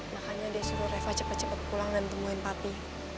makanya dia suruh reva cepet cepet pulang dan temuin papi